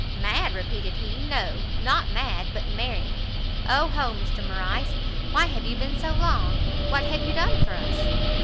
"Mad!" repeated he, "no, not mad but merry. O ho, Mr Morrice, why have you been so long? what have you done for us?"